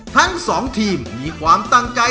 ทั้งสองทีมมีความตั้งใจ